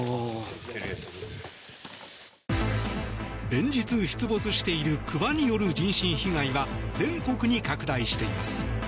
連日、出没しているクマによる人身被害は全国に拡大しています。